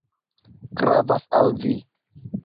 Gravas al vi.